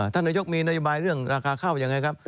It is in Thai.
ท่านนายกมีนโยบายเรื่องราคาข้าวยังไงครับ